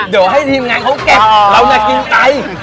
เดี๋ยวให้ทีมงานเขาเก็บเราจะกินไต